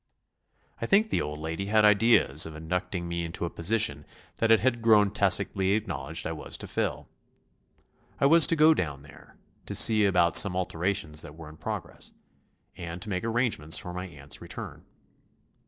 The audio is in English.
I think the old lady had ideas of inducting me into a position that it had grown tacitly acknowledged I was to fill. I was to go down there; to see about some alterations that were in progress; and to make arrangements for my aunt's return.